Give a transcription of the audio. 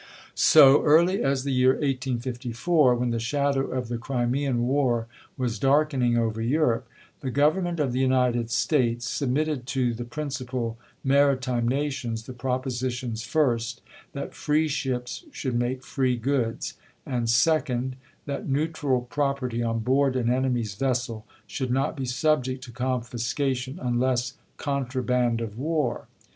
So early as the year 1854, when the shadow of the Crimean war was darkening over Europe, the Government of the United States submitted to the principal maritime nations the propositions, first, that free ships should make free goods, and second, that neutral property on board an enemy's vessel should not be subject to confiscation unless contra band of war.